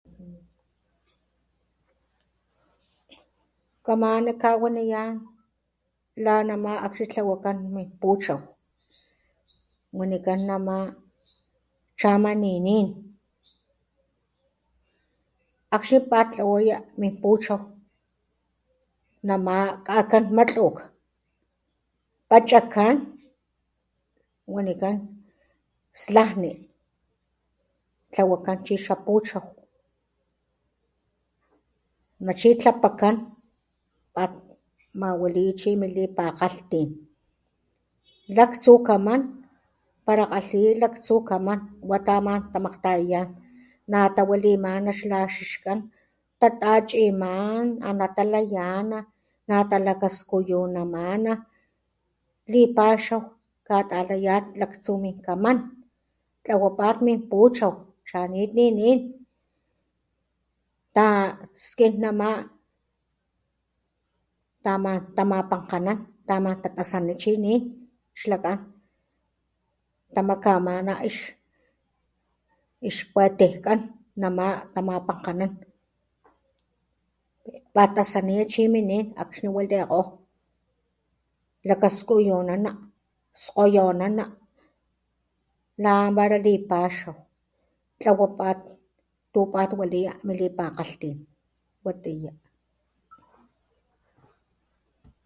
Kamani kawaniyan la nama akxni tlawakan min puchow. Wanikan nama chama ninin, akxni pattlawaya min puchow nama ka'kan matluk pachakan wanikan slajni tlawakan chi xa puchow ana chi tlapakan patmawaliya chi milipakgalhtin laktsu kaman pala kgalhiya laktsukaman wa tamantamakgtayayan natawalimana ix laxixkan tatachiman anatalayana natalakaskuyunamana, lipaxaw katalayat laktsuminkaman tlawapat min puchow chanit ninin, taskin nama taman tamapankganan tamantatasani chi nin xlak'an, tamakamana ix kuetejkan nama tamapankganan pattasaniya chi mi nin akxni walikgo, lakaskuyunana, skgoyonana lamala lipaxaw tlawapat tu patwaliwa milipakgalhtin. Watiya.